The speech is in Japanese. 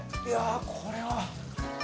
いやこれは。